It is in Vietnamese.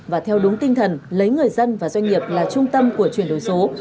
và theo đúng tinh thần lấy người dân và doanh nghiệp là trung tâm của chuyển đổi số